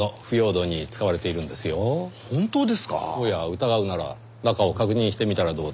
疑うなら中を確認してみたらどうですか？